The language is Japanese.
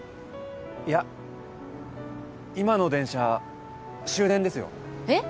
いや今の電車終電ですよ。えっ！？